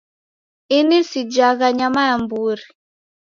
Ini sijagha nyama ya mburi